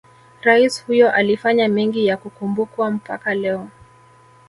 Rais huyo alifanya mengi ya kukumbukwa mpaka leo